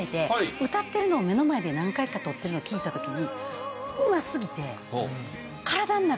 歌ってるのを目の前で何回か撮ってるのを聴いた時に。